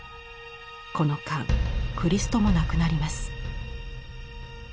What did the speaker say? この間クリストも亡くなります。